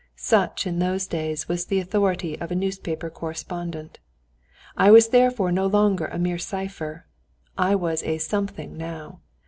Such in those days was the authority of a newspaper correspondent.... I was therefore no longer a mere cipher. I was a something now.